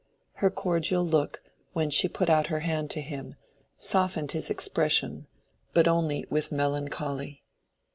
Her cordial look, when she put out her hand to him, softened his expression, but only with melancholy.